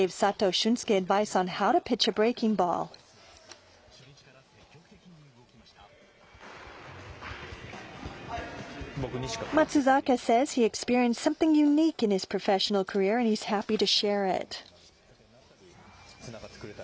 初日から積極的に動きました。